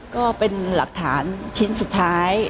ก็เป็นหลักฐานชิ้นสุดท้าย